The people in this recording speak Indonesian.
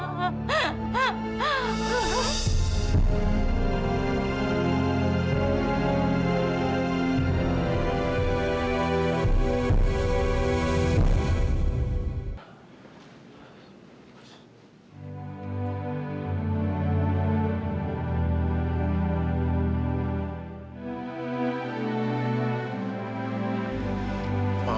hgak bee tonggak